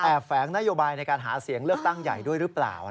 แฝงนโยบายในการหาเสียงเลือกตั้งใหญ่ด้วยหรือเปล่า